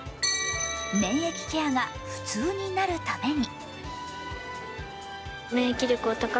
免疫ケアが普通になるために。